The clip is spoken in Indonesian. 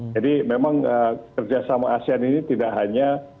jadi memang kerja sama asean ini tidak hanya